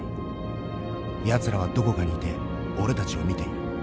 やつらはどこかにいて俺たちを見ている。